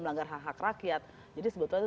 melanggar hak hak rakyat jadi sebetulnya